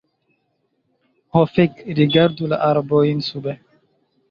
Ho fek! Rigardu la arbojn sube